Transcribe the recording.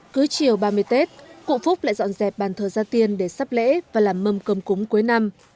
cứ chiều ba mươi tết cụ phúc lại dọn dẹp bàn thờ gia tiên để sắp lễ và làm mâm cơm cúng cuối năm